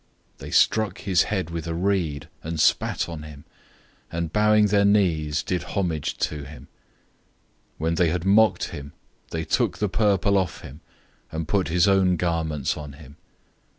015:019 They struck his head with a reed, and spat on him, and bowing their knees, did homage to him. 015:020 When they had mocked him, they took the purple off of him, and put his own garments on him.